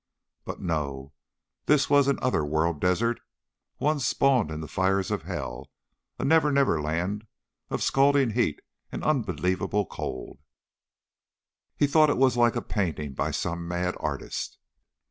But ... no! This was an other world desert, one spawned in the fires of hell a never never land of scalding heat and unbelievable cold. He thought it was like a painting by some mad artist.